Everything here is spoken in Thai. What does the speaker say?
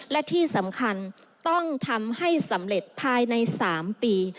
และที่สำคัญต้องทำให้สำเร็จภายใน๓ปี